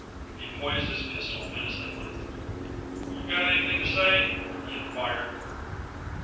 He poised his pistol menacingly. "You got anything to say?" he inquired.